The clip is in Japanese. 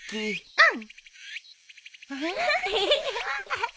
うん？